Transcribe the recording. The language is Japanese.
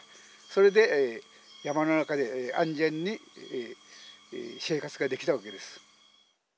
それで山の中で安全に生活ができたわけです。